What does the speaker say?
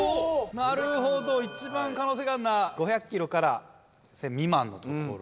なるほど一番可能性があんのは５００Ｋｍから１０００未満のところ。